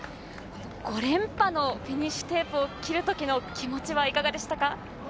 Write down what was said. ５連覇のフィニッシュテープを切るときの気持ちはいかがでしたか？